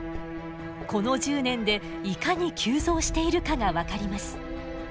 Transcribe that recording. この１０年でいかに急増しているかが分かります。